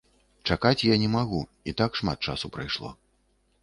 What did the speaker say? Чакаць я не магу, і так шмат часу прайшло.